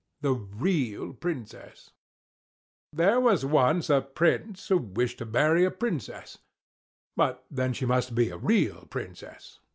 THE REAL PRINCESS There was once a Prince who wished to marry a Princess; but then she must be a real Princess.